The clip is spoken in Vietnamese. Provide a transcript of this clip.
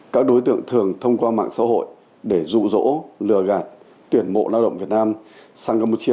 các đối tượng thường thông qua mạng xã hội để rụ rỗ lừa gạt tuyển mộ lao động việt nam sang campuchia